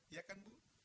ya kan bu